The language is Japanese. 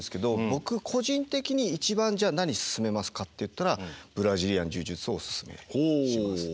僕個人的に一番じゃあ何勧めますかっていったらブラジリアン柔術をお勧めします。